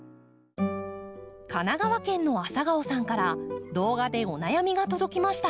神奈川県のａｓａｇａｏさんから動画でお悩みが届きました。